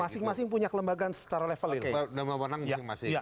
masing masing punya kelembagaan secara level ini